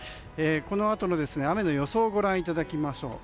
このあとの雨の予想をご覧いただきましょう。